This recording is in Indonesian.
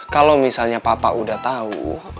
kalau misalnya papa udah tahu